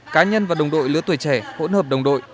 cá nhân và đồng đội lứa tuổi trẻ hỗn hợp đồng đội